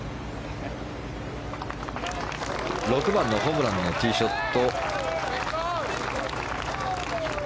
６番のホブランのティーショット。